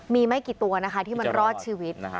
มีไม่กี่ตัวนะคะที่มันรอดชีวิตนะคะ